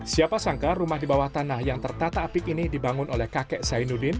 siapa sangka rumah di bawah tanah yang tertata apik ini dibangun oleh kakek zainuddin